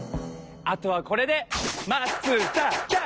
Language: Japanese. あとはこれで待つだけよ！